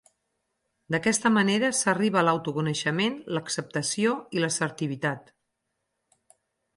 D'aquesta manera s'arriba a l'autoconeixement, l'acceptació i l'assertivitat.